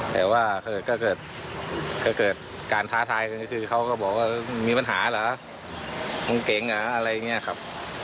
แต่ว่าก็เกิดการท้าทายกันก็คือเขาก็บอกว่ามีปัญหาเหรอมึงเก๋งเหรออะไรอย่างนี้ครับ